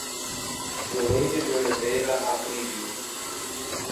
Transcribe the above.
Zuleide de Oliveira Aprigio